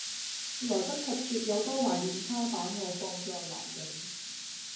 來不及說有多懷念他把我放在懷裏